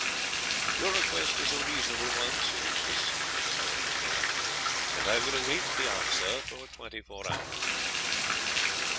"Your request is a reasonable one, Sir Eustace," the herald replied, "and I will await the answer for twenty four hours."